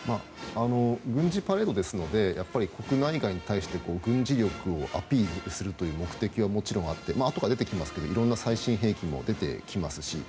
軍事パレードですのでやっぱり国内外に対して軍事力をアピールするという目的はもちろんあってあとから出てきますが最新兵器も出てきますし。